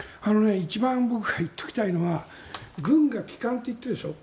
一番僕が言っておきたいのは軍が帰還と言っているでしょ。